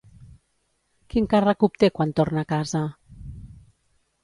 Quin càrrec obté quan torna a casa?